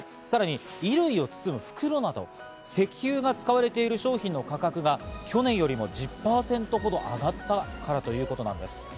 さらに衣類を包む袋など石油が使われている商品の価格が去年よりも１０％ほど上がったからということなんです。